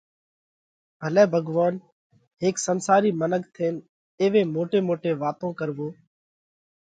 ڀلي ڀڳوونَ! ھيڪ سنسارِي منک ٿينَ ايوي موٽي موٽي واتون ڪروو،